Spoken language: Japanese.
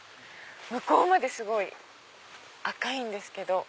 向こうまですごい赤いんですけど。